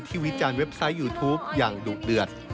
วิจารณ์เว็บไซต์ยูทูปอย่างดุเดือด